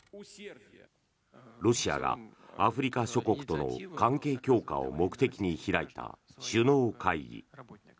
ロシアがアフリカ諸国との関係強化を目的に開いた首脳会議。